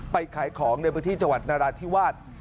ขายของในพื้นที่จังหวัดนราธิวาส